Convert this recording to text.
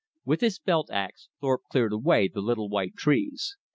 With his belt ax, Thorpe cleared away the little white trees.